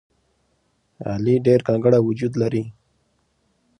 علي ډېر ګګړه وجود لري.